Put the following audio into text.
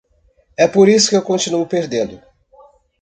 É por isso que continuo perdendo.